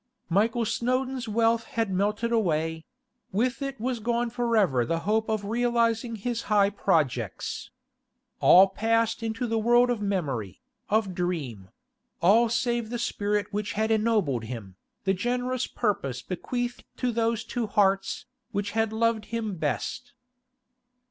Michael Snowdon's wealth had melted away; with it was gone for ever the hope of realising his high projects. All passed into the world of memory, of dream—all save the spirit which had ennobled him, the generous purpose bequeathed to those two hearts, which had loved him best.